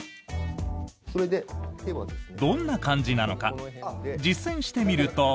どんな感じなのか実践してみると。